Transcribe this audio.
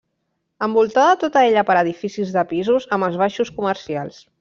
Envoltada tota ella per edificis de pisos amb els baixos comercials.